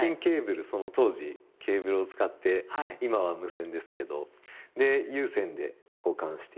その当時ケーブルを使って今は無線ですけどで有線で交換している。